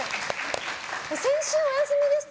先週お休みでした？